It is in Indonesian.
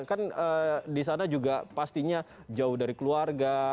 kan di sana juga pastinya jauh dari keluarga